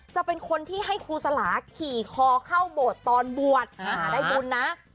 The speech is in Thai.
จะเป็นคนที่ให้ครูสลาขี่คอเข้าโบสถ์ตอนบวชได้บุญนะ